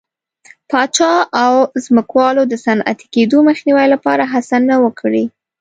پاچا او ځمکوالو د صنعتي کېدو مخنیوي لپاره هڅه نه وه کړې.